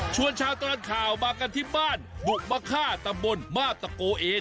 ชวนช้าตอนข่าวมากันที่บ้านบุกมคาตบลมาตะโกเอน